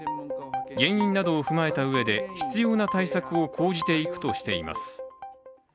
原因などを踏まえたうえで必要な対策を講じていくとしています。